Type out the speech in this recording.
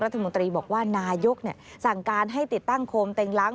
บอกว่านายกสั่งการให้ติดตั้งโคมเต็งล้าง